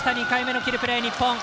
２回目のキルプレー、日本。